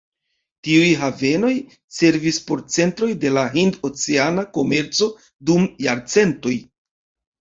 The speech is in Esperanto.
Tiuj havenoj servis por centroj de la hind-oceana komerco dum jarcentoj.